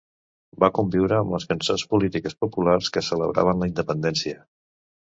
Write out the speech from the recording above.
Va conviure amb les cançons polítiques populars que celebraven la independència.